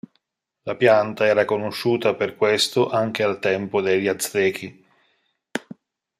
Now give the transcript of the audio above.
La pianta era conosciuta per questo anche al tempo degli Aztechi.